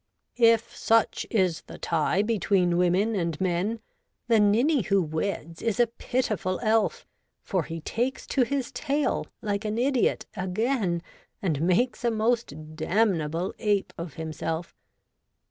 ' If such is the tie between women and men. The ninny who weds is a pitiful elf; For he takes to his tail, like an idiot, again. And makes a most damnable ape of himself.